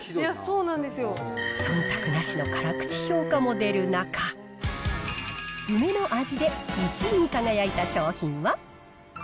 そんたくなしの辛口評価も出る中、梅の味で１位に輝いた商品は。